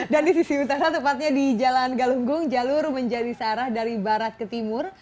dan di sisi utara tepatnya di jalan galunggung jalur menjadi searah dari barat ke timur